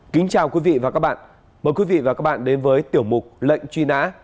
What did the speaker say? kính chào quý vị và các bạn mời quý vị và các bạn đến với tiểu mục lệnh truy nã